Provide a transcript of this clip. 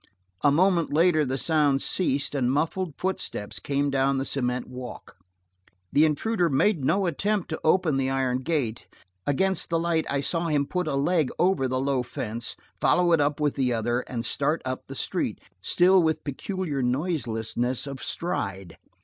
A moment later the sounds ceased and muffled footsteps came down the cement walk. The intruder made no attempt to open the iron gate; against the light I saw him put a leg over the low fence, follow it up with the other, and start up the street, still with peculiar noiselessness of stride.